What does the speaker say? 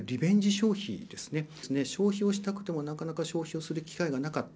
消費をしたくてもなかなか消費をする機会がなかった。